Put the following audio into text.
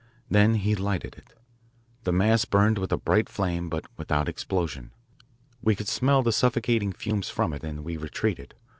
Then he lighted it. The mass burned with a bright flame but without explosion. We could smell the suffocating fumes from it, and we retreated.